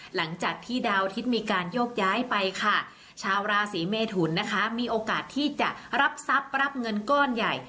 หลังจากที่ดาวทิศมีการโยกย้ายไปค่ะชาวราศีเมทุนนะคะมีโอกาสที่จะรับทรัพย์รับเงินก้อนใหญ่